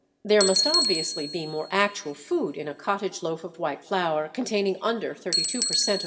There must obviously be more actual food in a cottage loaf of white flour containing under 32 per cent.